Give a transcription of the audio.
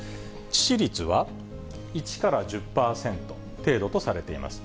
致死率は１から１０％程度とされています。